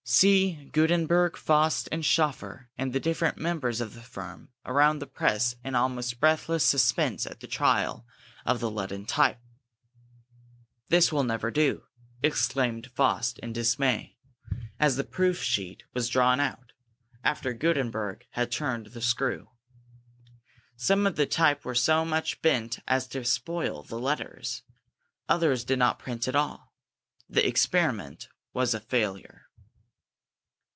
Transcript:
See Gutenberg, Faust, and Schoeffer, and the different members of the firm, around the press in almost breathless suspense at the trial of the leaden type! "This will never do," exclaimed Faust in dismay, as the proof sheet was drawn out, after Gutenberg had turned the screw. Some of the type were so much bent as to spoil the letters; others did not print at all. The experiment was a failure.